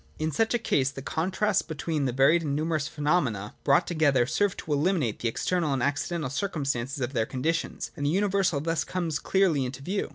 In such a case the contrasts between the varied and numerous phenomena brought together serve to eliminate the external and accidental circumstances of their conditions, and the universal thus comes clearly into view.